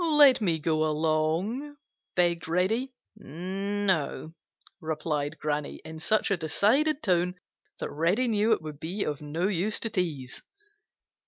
"Let me go along," begged Reddy. "No," replied Granny in such a decided tone that Reddy knew it would be of no use to tease.